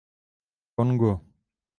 Kongo.